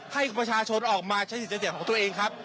ให้ประชาชนออกมาใช้สิทธิเสียงของตัวเองครับ